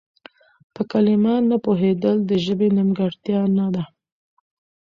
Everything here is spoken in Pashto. په کلمه نه پوهېدل د ژبې نيمګړتيا نه ده.